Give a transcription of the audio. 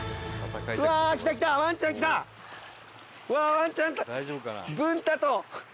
ワンちゃん文太と。